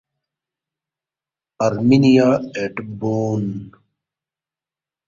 Arminia at Bonn.